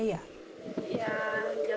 ya jangan melalaikan